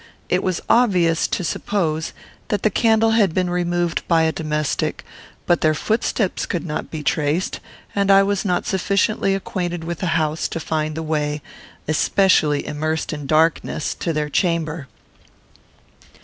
It was obvious to suppose that the candle had been removed by a domestic; but their footsteps could not be traced, and I was not sufficiently acquainted with the house to find the way, especially immersed in darkness, to their chamber.